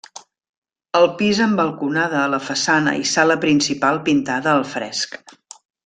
El pis amb balconada a la façana i sala principal pintada al fresc.